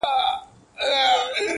جوړه کړې په قلا کي یې غوغاوه -